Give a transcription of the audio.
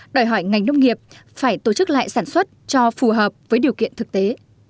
đòi hỏi ngành nông nghiệp phải tổ chức lại sản xuất cho phù hợp với điều kiện thực tế